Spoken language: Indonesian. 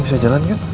kamu bisa jalan kan